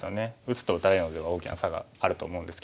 打つと打たれるのでは大きな差があると思うんですけど。